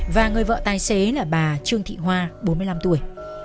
và người vợ tài xế là bà trương thị hoa bốn mươi năm tuổi